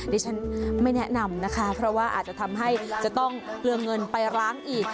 ดิฉันไม่แนะนำนะคะเพราะว่าอาจจะทำให้จะต้องเปลืองเงินไปล้างอีก